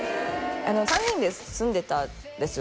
３人で住んでたんですよ